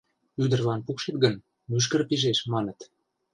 Ӱдырлан пукшет гын, мӱшкыр пижеш, маныт.